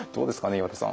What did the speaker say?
岩田さん。